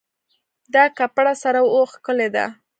دا کپړه سره او ښکلې ده